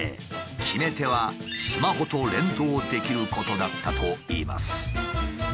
決め手はスマホと連動できることだったといいます。